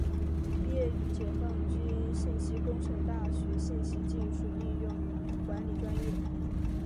毕业于解放军信息工程大学信息技术应用与管理专业。